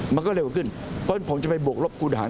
มันก็จะเร็วขึ้น